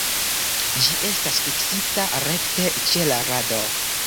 Ĝi estas fiksita rekte ĉe la rado.